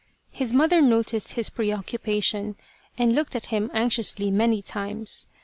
His mother noticed his preoccupation and looked at him anxiously many times.